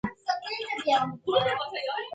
خو اوس يې د درد له امله اوږه کج نیولې وه.